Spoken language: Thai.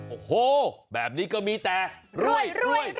โอ้โหแบบนี้ก็มีแต่รวยรวย